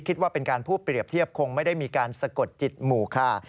คิดว่าเป็นการพูดเปรียบเทียบคงไม่ได้มีการสะกดจิตหมู่ค่ะ